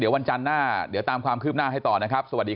วันจันทร์หน้าเดี๋ยวตามความคืบหน้าให้ต่อนะครับสวัสดี